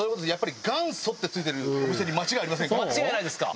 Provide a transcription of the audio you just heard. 間違いないですか。